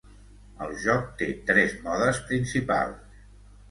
El joc té tres modes principals.